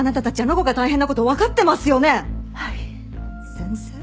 先生。